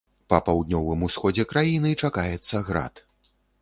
Па паўднёвым усходзе краіны чакаецца град.